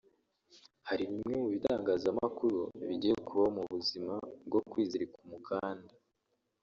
Hari bimwe mu bitangazamakuru bigiye kubaho mu buzima bwo kwizirika umukanda